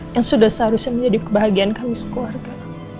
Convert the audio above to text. yang sudah seharusnya menjadi kebahagiaan kami sekeluarga